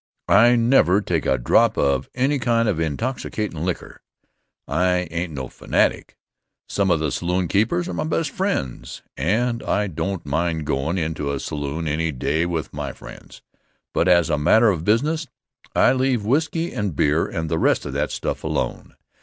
I never take a drop of any kind of intoxicatin' liquor. I ain't no fanatic. Some of the saloonkeepers are my best friends, and I don't mind goin' into a saloon any day with my friends. But as a matter of business I leave whisky and beer and the rest of that stuff alone.